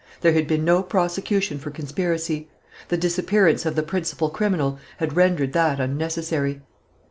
There had been no prosecution for conspiracy; the disappearance of the principal criminal had rendered that unnecessary.